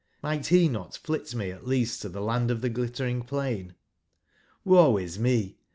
JVIight he not flit me at least to the Land of the Glittering plain ? ^oe is me!